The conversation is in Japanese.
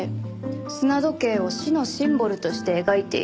砂時計を死のシンボルとして描いている絵もありますね。